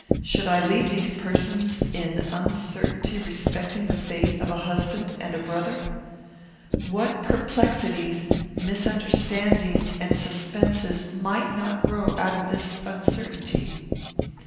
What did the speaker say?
Should I leave these persons in uncertainty respecting the fate of a husband and a brother? What perplexities, misunderstandings, and suspenses might not grow out of this uncertainty?